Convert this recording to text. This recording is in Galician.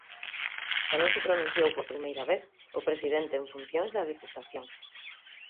Tamén se pronunciou, por primeira vez, o presidente en funcións da Deputación.